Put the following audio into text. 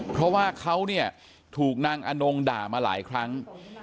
เพราะว่าเขาเนี่ยถูกนางอนงด่ามาหลายครั้ง